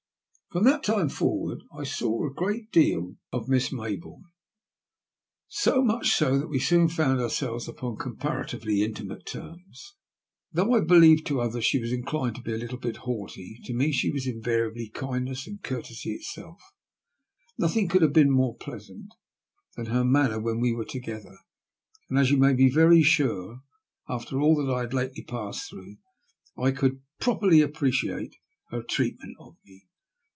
From that time forward I saw a good deal of Miss 188 THE LUST OF HATE. Mayboome ; bo much so that we soon found onrselTei upon comparatively intimate tenns. Thoagh I believe to others she was inclined to be a little haaghty, to me she was invariably kindness and courtesy itself. Nothing could have been more pleasant than her manner when we were together ; and you may be very sure, after all that I had lately passed through, I could properly appreciate her treatment of me.